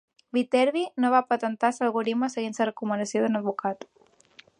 Viterbi no va patentar l'algoritme seguint la recomanació d'un advocat.